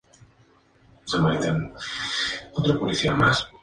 Pasó gran parte de su infancia en Marruecos.